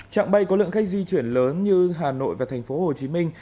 trạng bay có lượng khách di chuyển lớn như hà nội và thành phố hồ chí minh